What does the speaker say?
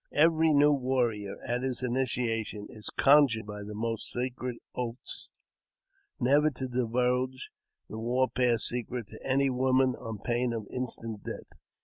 Every new warrior, at his initiation, is conjured by the most sacred oaths never to divulge the war path secret to any woman, on pain of instant death.